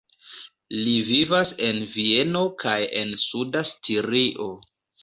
Li vivas en Vieno kaj en Suda Stirio.